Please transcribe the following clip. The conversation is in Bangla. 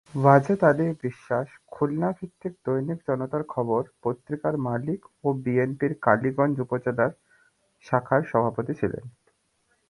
ওয়াজেদ আলী বিশ্বাস খুলনা ভিত্তিক দৈনিক জনতার খবর পত্রিকার মালিক ও বিএনপির কালীগঞ্জ উপজেলা শাখার সভাপতি ছিলেন।